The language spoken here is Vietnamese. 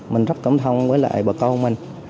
mình rất cảm thông với bà con mình